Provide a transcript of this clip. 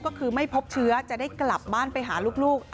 ก็คือไม่พบเชื้อจะได้กลับบ้านไปหาลูก